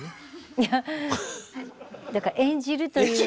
いやだから演じるという。